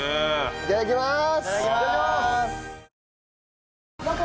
いただきます！